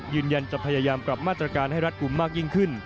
ยืนยันจะพยายามปรับมาตรการให้รัฐกลุ่มมากยิ่งขึ้น